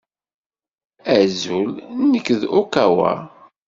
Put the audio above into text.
Azul. Nekk d Ogawa.